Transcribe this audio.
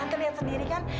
tante tante lihat sendiri kan